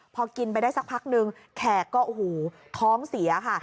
พอกินไปได้สักพักนึงแขกก็โอ้โหท้องเสียค่ะ